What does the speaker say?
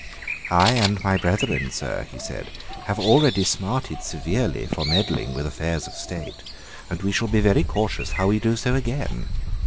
"I and my brethren, sir," he said, "have already smarted severely for meddling with affairs of state; and we shall be very cautious how we do so again.